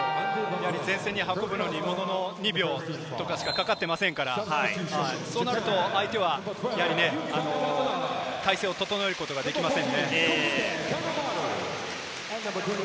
前線に運ぶのにものの２秒しかかかってませんから、そうなると相手は態勢を整えることができません。